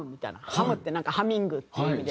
「ハム」ってなんか「ハミング」っていう意味で。